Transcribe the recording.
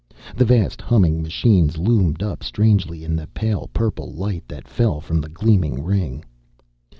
The vast, humming machines loomed up strangely in the pale purple light that fell from the gleaming ring.